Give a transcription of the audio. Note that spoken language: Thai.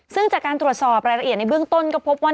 ซึ่งจากการตรวจสอบรายละเอียดในเบื้องต้นก็พบว่า